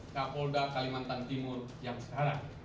kapolda kalimantan timur yang sekarang